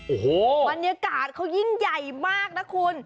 โอ้โหบรรยากาศเขายิ่งใหญ่มากนะคุณ